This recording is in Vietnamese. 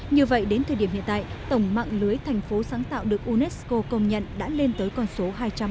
như vậy đến thời điểm hiện tại tổng mạng lưới thành phố sáng tạo được unesco công nhận đã lên tới con số hai trăm ba mươi